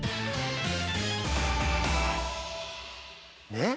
ねえ。